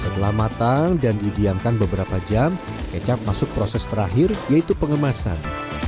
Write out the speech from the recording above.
setelah matang dan didiamkan beberapa jam kecap masuk proses terakhir yaitu pengemasan